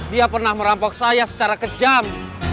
dia pernah merampok saya secara kejam